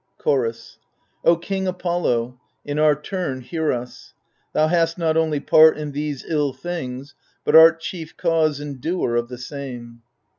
Chorus king Apollo, in our turn hear us. Thou hast not only part in these ill things, But art chief cause and doer of the same.